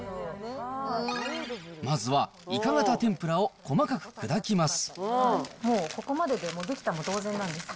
まずはいか形てんぷらを細かく砕きます。